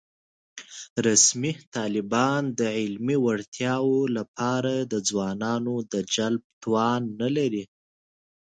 رسمي طالبان د علمي وړتیا له پاره د ځوانانو د جلب توان نه لري